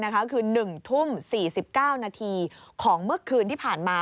คือ๑ทุ่ม๔๙นาทีของเมื่อคืนที่ผ่านมา